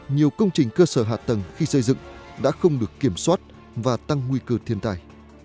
nhiều công trình cơ sở hạ tầng khi xây dựng đã không được kiểm soát và tăng nguy cơ thiên tai